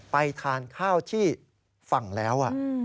ไปทานข้าวที่ฝั่งแล้ว